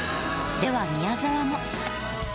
では宮沢も。